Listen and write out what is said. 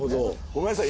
ごめんなさい。